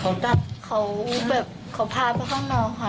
เขาดับเขาแบบเขาพาไปห้องนอนค่ะ